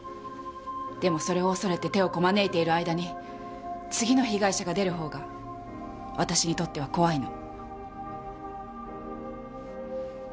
でもそれを恐れて手をこまねいている間に次の被害者が出る方が私にとっては怖いの。